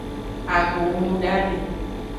Ago hunudame.